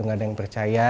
gak ada yang percaya